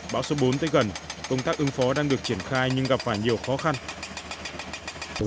bão số bốn tới gần công tác ứng phó đang được triển khai nhưng gặp phải nhiều khó khăn